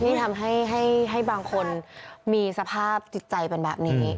ที่ทำให้บางคนมีสภาพจิตใจเป็นแบบนี้